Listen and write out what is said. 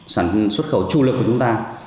sản xuất khẩu tru lực của chúng ta